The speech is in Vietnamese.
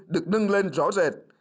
được nâng lên rõ rệt